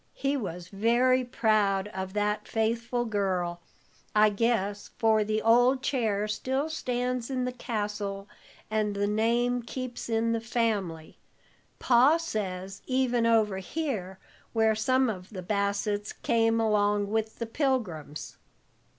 He was very proud of that faithful girl, I guess, for the old chair still stands in the castle, and the name keeps in the family, Pa says, even over here, where some of the Bassetts came along with the Pilgrims."